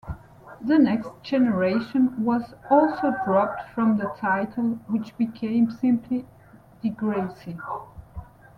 "The Next Generation" was also dropped from the title, which became simply "Degrassi".